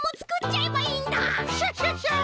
クシャシャシャ！